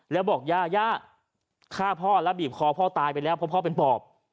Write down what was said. แล้วบอกย่าย่าฆ่าพ่อแล้วบีบคอพ่อตายไปแล้วเพราะพ่อเป็นปอบ